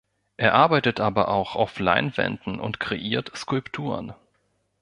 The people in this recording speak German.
Er arbeitet aber auch auf Leinwänden und kreiert Skulpturen.